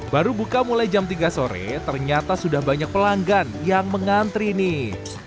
baru buka mulai jam tiga sore ternyata sudah banyak pelanggan yang mengantri nih